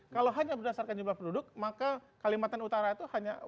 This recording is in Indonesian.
kalau hanya berdasarkan jumlah penduduk maka kalimantan utara itu wajarnya hanya satu lima juta